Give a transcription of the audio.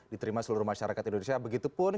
diterima seluruh masyarakat indonesia begitu pun